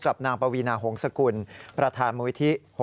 นางปวีนาหงษกุลประธานมูลิธิ